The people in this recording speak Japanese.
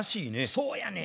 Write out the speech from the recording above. そうやねん。